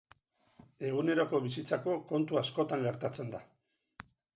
Eguneroko bizitzako kontu askotan gertatzen da.